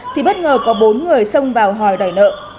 thì bất ngờ có bốn người xông vào hòi đòi nợ